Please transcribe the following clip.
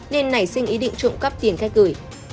nên nảy sinh ý định trộm cắp tiền khách gửi